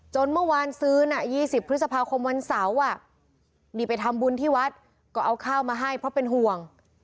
เมื่อวานซื้อนะ๒๐พฤษภาคมวันเสาร์นี่ไปทำบุญที่วัดก็เอาข้าวมาให้เพราะเป็นห่วง